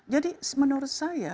jadi menurut saya